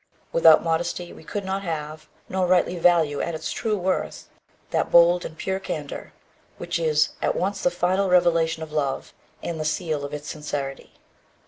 " Without modesty we could not have, nor rightly value at its true worth, that bold and pure candor which is at once the final revelation of love and the seal of its sincerity.